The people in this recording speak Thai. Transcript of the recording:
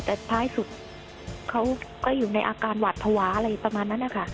แต่ท้ายสุดเขาก็อยู่ในอาการหวัดภาวะอะไรประมาณนั้นนะคะ